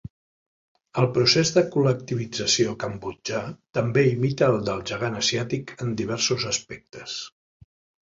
El procés de col·lectivització cambodjà també imita al del gegant asiàtic en diversos aspectes.